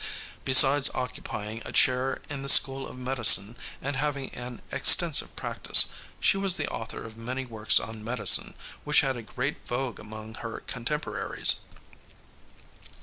Besides occupying a chair in the school of medicine and having an extensive practice, she was the author of many works on medicine which had a great vogue among her contemporaries.